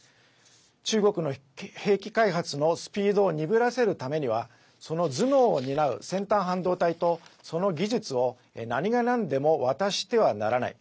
中国の兵器開発のスピードを鈍らせるためにはその頭脳を担う先端半導体とその技術を何がなんでも渡してはならない。